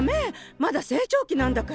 まだ成長期なんだから。